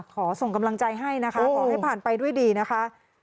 ขอส่งกำลังใจให้นะคะขอให้ผ่านไปด้วยดีนะคะ